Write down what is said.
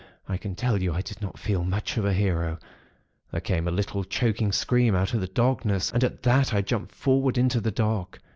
I can tell you, I did not feel much of a hero. There came a little, choking scream, out of the darkness; and at that, I jumped forward into the dark.